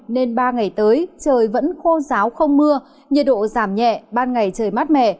nên ba ngày tới trời vẫn khô giáo không mưa nhiệt độ giảm nhẹ ban ngày trời mát mẻ